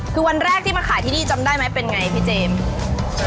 คือวันแรกที่มาขายที่นี่จำได้ไหมเป็นไงพี่เจมส์